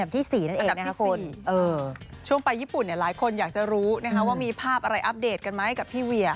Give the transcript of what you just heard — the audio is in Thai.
อันดับที่๔ช่วงไปญี่ปุ่นหลายคนอยากจะรู้ว่ามีภาพอะไรอัปเดตกันไหมกับพี่เวีย